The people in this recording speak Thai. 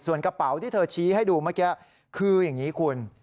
ส่วนกระเป๋าที่เธอชี้ให้ดูเมื่อกี้คืออย่างนี้คุณ